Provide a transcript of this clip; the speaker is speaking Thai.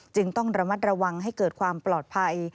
ต้องระมัดระวังให้เกิดความปลอดภัย